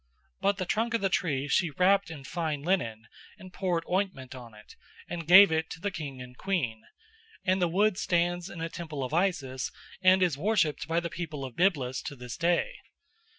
But the trunk of the tree she wrapped in fine linen, and poured ointment on it, and gave it to the king and queen, and the wood stands in a temple of Isis and is worshipped by the people of Byblus to this day.